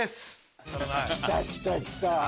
きたきたきたきた！